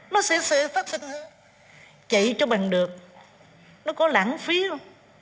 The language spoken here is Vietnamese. nó sẽ phát sinh hơn chạy cho mình được nó có lãng phí không